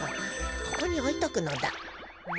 ☎ここにおいとくのだ。